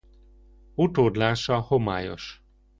Utódlása homályos.